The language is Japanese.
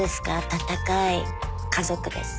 温かい家族です。